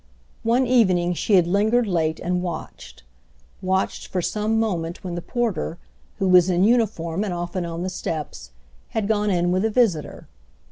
One evening she had lingered late and watched—watched for some moment when the porter, who was in uniform and often on the steps, had gone in with a visitor.